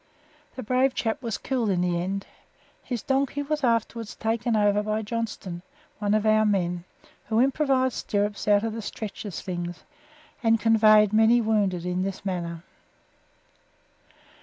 The brave chap was killed in the end. His donkey was afterwards taken over by Johnstone, one of our men, who improvised stirrups out of the stretcher slings, and conveyed many wounded in this manner.